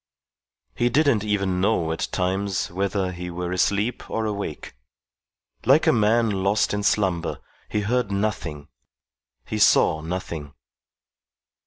He didn't even know at times whether he were asleep or awake. Like a man lost in slumber, he heard nothing, he saw nothing.